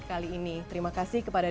kali ini terima kasih kepada